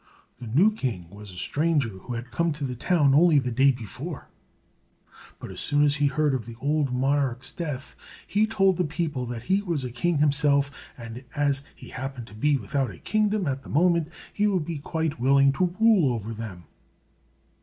The new king was a stranger, who had come to the town only the day before; but as soon as he heard of the old monarch's death, he told the people that he was a king himself, and as he happened to be without a kingdom at that moment, he would be quite willing to rule over them.